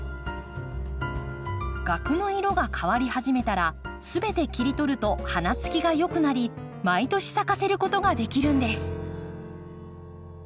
萼の色が変わり始めたら全て切り取ると花つきがよくなり毎年咲かせることができるんです。